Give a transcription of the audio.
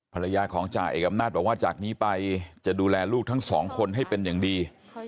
ภรรยาของจ่าเอกอำนาจบอกว่าจากนี้ไปจะดูแลลูกทั้งสองคนให้เป็นอย่างดี